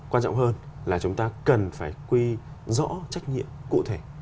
quan trọng hơn là chúng ta cần phải quy rõ trách nhiệm cụ thể